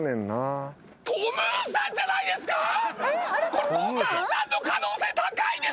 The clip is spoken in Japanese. これトムーさんの可能性高いですよ。